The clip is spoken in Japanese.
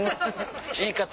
言い方！